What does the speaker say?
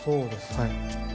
はい。